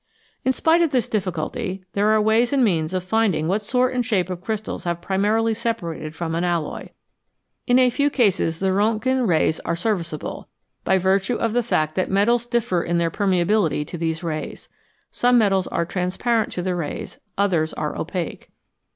In spite of this difficulty, there are ways and means of finding what sort and shape of crystals have primarily separated from an alloy. In a few cases the Rontgen rays are serviceable, by virtue of the fact that metals differ in their permeability to these rays ; some metals are transparent to the rays, others are opaque.